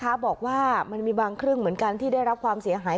บอกว่ามันมีบางครึ่งเหมือนกันที่ได้รับความเสียหาย